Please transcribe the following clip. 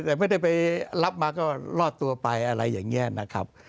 แต่ไม่ได้ไปรับมาก็รอดตัวไปอะไรอย่างนี้นะครับ